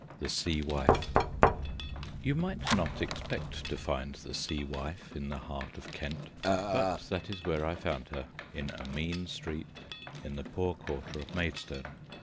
THE SEA WIFE You might not expect to find the Sea Wife in the heart of Kent, but that is where I found her, in a mean street, in the poor quarter of Maidstone.